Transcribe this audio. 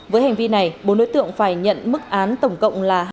với hành vi này bốn đối tượng phải nhận mức án tổng cộng là